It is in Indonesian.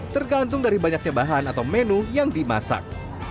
tergantung dari banyaknya bahan atau menu yang dimasak